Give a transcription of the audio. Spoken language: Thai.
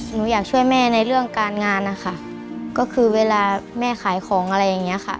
หนูอยากช่วยแม่ในเรื่องการงานนะคะก็คือเวลาแม่ขายของอะไรอย่างเงี้ยค่ะ